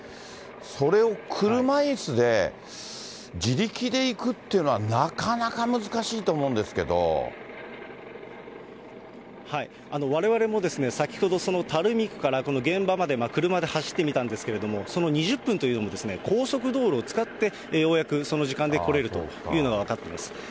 それを車いすで自力で行くっていうのは、なかなか難しいと思うんわれわれも先ほど、その垂水区からこの現場まで、車で走ってみたんですけれども、その２０分というのも、高速道路を使ってようやくその時間で来れるというのが分かってます。